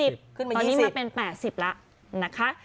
๖๐บาทตอนนี้มาเป็น๘๐บาทแล้วนะคะ